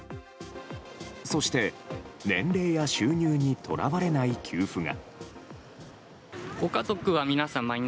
そして、年齢や収入にとらわれない給付が。